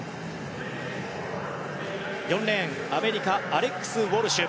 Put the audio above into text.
４レーン、アメリカアレックス・ウォルシュ。